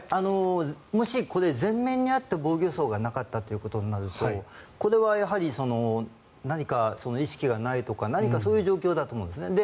もし、これ前面にあって防御創がなかったということになるとこれはやはり何か意識がないとか何かそういう状況だと思うんです。